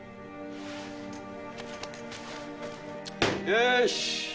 よし！